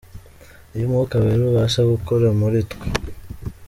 Ibyo Umwuka Wera abasha gukora muri twe:.